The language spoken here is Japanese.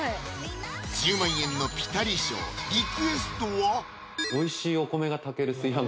１０万円のピタリ賞リクエストは？